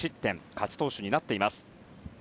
勝ち投手になっています。